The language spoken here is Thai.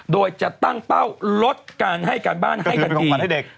โดยจะตั้งเป้าลดการให้การบ้านให้ทันที